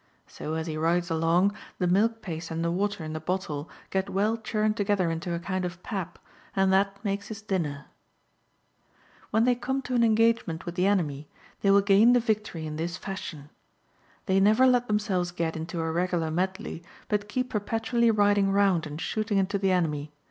So, as he rides along, the milk paste and the water in the bottle get well churned together into a kind of pap, and that makes his dinner.^] When they come to an engagement with the enemy, they will gain the victory in this fashion. [They never let themselves get into a regular medley, but keep per petually riding round and shooting into the enemy.